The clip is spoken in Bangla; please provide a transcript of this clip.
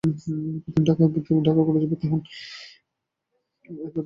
এরপর, তিনি ঢাকা মেডিকেল কলেজে ভর্তি হন।